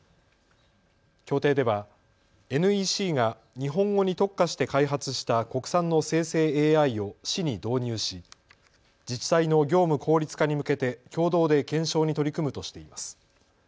協定ではＮＥＣが日本語に特化して開発した国産の生成ＡＩを市に導入し自治体の業務効率化に向けて共同で検証に取り組むとしています。